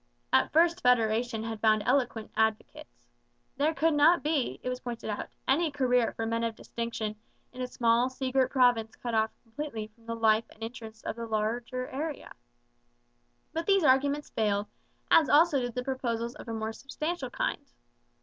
At first federation had found eloquent advocates. There could not be, it was pointed out, any career for men of distinction in a small sea girt province cut off completely from the life and interests of the larger area. But these arguments failed, as also did proposals of a more substantial kind.